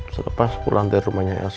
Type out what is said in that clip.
selepas pulang dari rumahnya ya